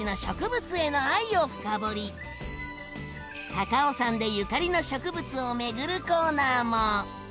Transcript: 高尾山でゆかりの植物を巡るコーナーも。